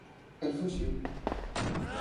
El fuxiu.